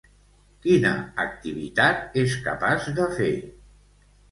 Quina activitat és capaç de fer?